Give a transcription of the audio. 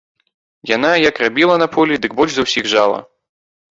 Яна як рабіла на полі, дык больш за ўсіх жала.